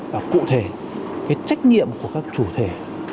và cụ thể cái trách nhiệm của các chủ thể